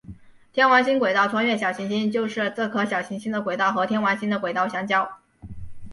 天王星轨道穿越小行星就是这颗小行星的轨道和天王星的轨道相交。